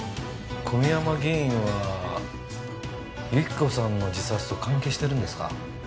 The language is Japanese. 小宮山議員は由紀子さんの自殺と関係してるんですか？